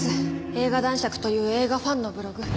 映画男爵という映画ファンのブログ。